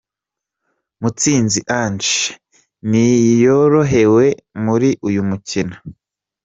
Mutsinzi Ange ntiyorohewe muri uyu mukino.